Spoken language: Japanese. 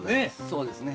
そうですね。